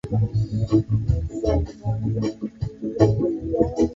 Agano la Kale Akatetea kupokea Wapagani katika Kanisa akafundisha jinsi